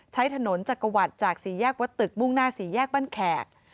ใช้ถนนจักรวรรดิจากสี่แยกวัดตึกมุ่งหน้าสี่แยกบ้านแขก